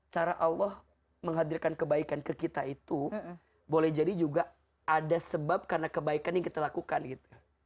cara allah menghadirkan kebaikan ke kita itu boleh jadi juga ada sebab karena kebaikan yang kita lakukan gitu